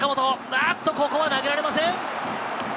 あっと、ここは投げられません。